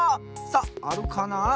さああるかな？